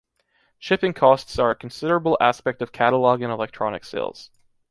Shipping costs are a considerable aspect of catalog and electronic sales.